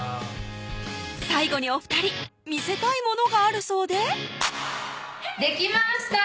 最後にお２人見せたいものがあるそうでできました！